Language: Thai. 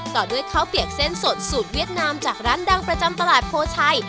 ต่อด้วยข้าวเปียกเส้นสดสูตรเวียดนามจากร้านดังประจำตลาดโพชัย